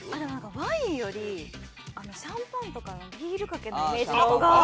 ワインよりシャンパンとかビールかけのイメージの方が。